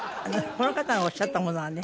この方がおっしゃったものはね